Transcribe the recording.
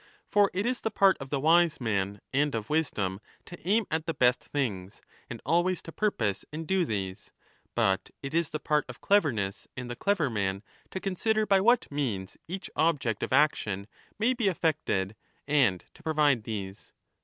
For it is the part of the wise man and of wisdom to aim at the best things, and always to purpose and do these, but it is the part of cleverness and the clever man to consider by what means 25 each object of action may be effected, and to provide these.